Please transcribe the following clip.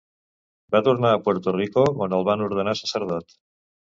Va tornar a Puerto Rico on el van ordenar sacerdot.